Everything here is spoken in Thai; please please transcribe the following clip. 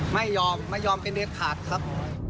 ไม่ยอมไม่ยอมเป็นเด็ดขาดครับ